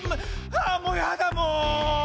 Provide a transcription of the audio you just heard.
あもうやだもう！